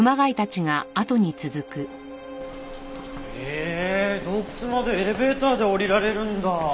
へえ洞窟までエレベーターで降りられるんだ。